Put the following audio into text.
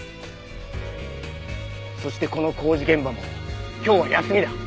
そしてこの工事現場も今日は休みだ。